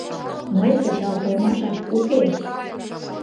— Мый кычалтылмашак уке...